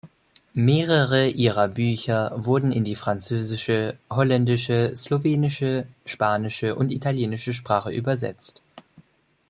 Mehrere ihrer Bücher wurden in die französische, holländische, slowenische, spanische und italienische Sprache übersetzt.